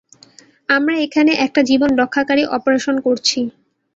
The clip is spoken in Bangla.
আমরা এখানে একটা জীবন রক্ষাকারী অপারেশন করছি।